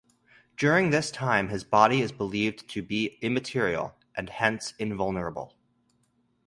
During this time his body is believed to be immaterial and hence invulnerable.